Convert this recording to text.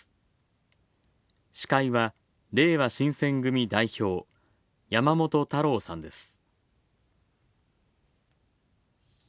司会は、れいわ新選組代表山本太郎さんです。